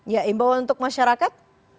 ya imbau untuk masyarakat